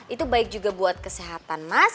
itu baik juga buat kesehatan mas